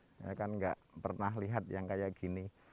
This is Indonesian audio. saya kan nggak pernah lihat yang kayak gini